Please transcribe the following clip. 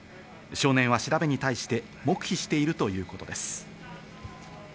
少年は調べに対して黙秘しているということです。